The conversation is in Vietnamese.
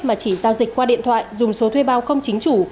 mà chỉ giao dịch qua điện thoại dùng số thuê bao không chính chủ